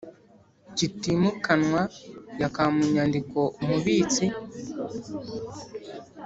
kitimukanwa yaka mu nyandiko Umubitsi